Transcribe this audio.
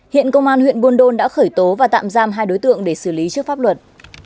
hiện công an huyện buôn đôn đã khởi tố và tạm giam hai đối tượng để xử lý trước pháp luật